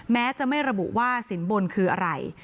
แม้จะไม่ระบุว่าสินบนคืออะไร